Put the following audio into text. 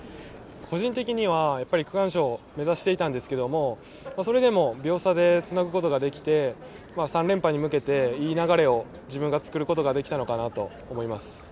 個人的には区間賞目指していたんですけれども、それでも秒差でつなぐことができて、３連覇へ向けていい流れを自分がつくることができたのかなと思います。